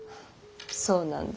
そうなんだ。